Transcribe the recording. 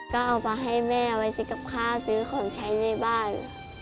ก็เอามาให้แม่ไว้ซื้อกับข้าวซื้อของใช้ในบ้าน